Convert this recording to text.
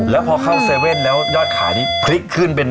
แล้วพอเข้า๗๑๑แล้วยอดขายนี้พลิกขึ้นเป็น